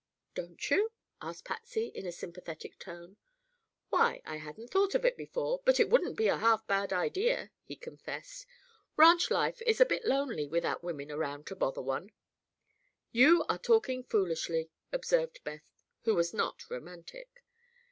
"Don't you?" asked Patsy, in a sympathetic tone. "Why, I hadn't thought of it before; but it wouldn't be a half bad idea," he confessed. "Ranch life is a bit lonely without women around to bother one." "You are all talking foolishly," observed Beth, who was not romantic.